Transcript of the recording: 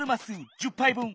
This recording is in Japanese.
１０ぱいぶん。